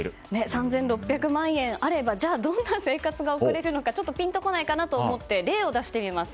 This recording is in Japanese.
３６００万円あればどんな生活が送れるのかピンとこないかと思って例を出してみます。